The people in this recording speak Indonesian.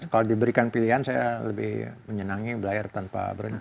kalau diberikan pilihan saya lebih menyenangi belayar tanpa berhenti